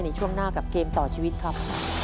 ในช่วงหน้ากับเกมต่อชีวิตครับ